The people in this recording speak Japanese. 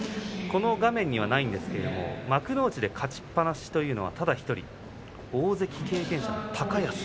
この画面にはないんですが幕内で勝ちっぱなしというのはただ１人、大関経験者の高安。